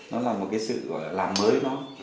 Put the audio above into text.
nó là một cái sự làm mới nó